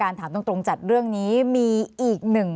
ภารกิจสรรค์ภารกิจสรรค์